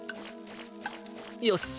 よし！